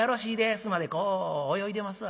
須磨でこう泳いでますわ。